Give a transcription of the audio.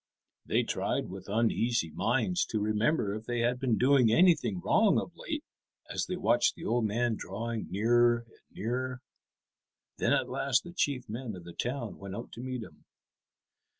They tried with uneasy minds to remember if they had been doing anything wrong of late as they watched the old man drawing nearer and nearer. Then at last the chief men of the town went out to meet him.